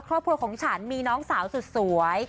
ครอบครัวของฉันมีน้องสาวสุดสวย